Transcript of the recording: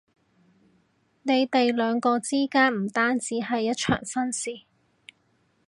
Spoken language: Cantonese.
你哋兩個之間唔單止係一場婚事